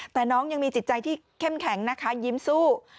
แต่น้องยังมีจิตใจที่เข้มแข็งนะคะยิ้มสู้